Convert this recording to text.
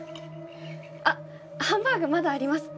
あっハンバーグまだあります。